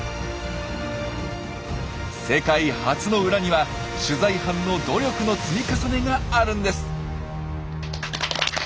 世界初の裏には取材班の努力の積み重ねがあるんです。